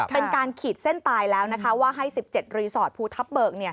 เป็นการขีดเส้นตายแล้วนะคะว่าให้๑๗รีสอร์ทภูทับเบิก